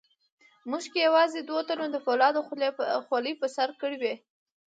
په موږ کې یوازې دوو تنو د فولادو خولۍ په سر کړې وې.